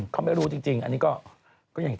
เขาไม่รู้จริง